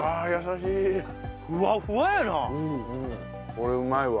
これうまいわ。